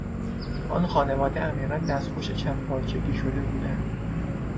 آن خانواده عمیقا دستخوش چند پارچگی شده بود.